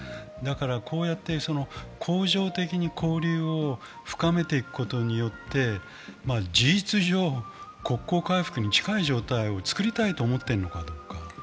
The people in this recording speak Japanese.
こうやって恒常的に交流を深めていくことによって、事実上、国交回復に近い状態を作りたいと思っているのかどうか。